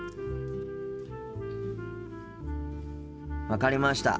分かりました。